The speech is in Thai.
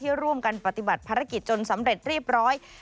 ร่วมกันปฏิบัติภารกิจจนสำเร็จเรียบร้อย